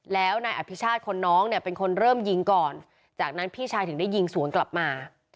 แล้วนายอภิชาติคนน้องเนี่ยเป็นคนเริ่มยิงก่อนจากนั้นพี่ชายถึงได้ยิงสวนกลับมา